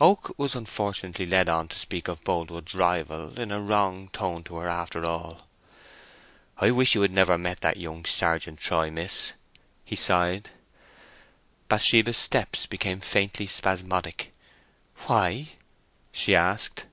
Oak was unfortunately led on to speak of Boldwood's rival in a wrong tone to her after all. "I wish you had never met that young Sergeant Troy, miss," he sighed. Bathsheba's steps became faintly spasmodic. "Why?" she asked.